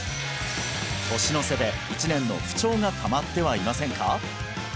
年の瀬で１年の不調がたまってはいませんか？